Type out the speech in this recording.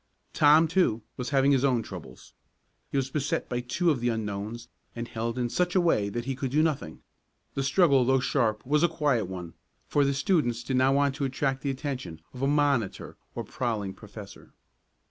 Tom, too, was having his own troubles. He was beset by two of the unknowns and held in such a way that he could do nothing. The struggle though sharp was a quiet one, for the students did not want to attract the attention of a monitor or prowling professor.